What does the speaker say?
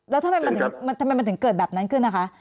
แล้วทำไมมันถึงเกิดแบบนั้นขึ้นนะคะ